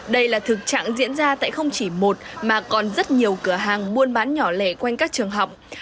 đây là thực trạng diễn ra tại không chỉ một mà còn rất nhiều cửa hàng buôn bán nhỏ lẻ quanh các trường học